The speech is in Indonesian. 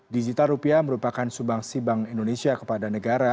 digital rupiah merupakan subangsi bank indonesia kepada negara